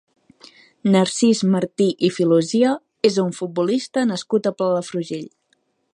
Narcís Martí i Filosia és un futbolista nascut a Palafrugell.